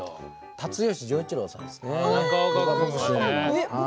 辰吉丈一郎さんですね。